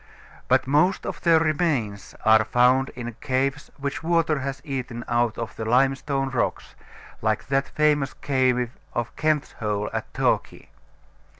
But most of their remains are found in caves which water has eaten out of the limestone rocks, like that famous cave of Kent's Hole at Torquay.